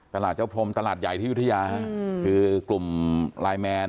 เจ้าพรมตลาดใหญ่ที่ยุธยาคือกลุ่มไลน์แมน